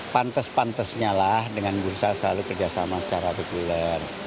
pantes pantesnya lah dengan bursa selalu kerjasama secara bergulir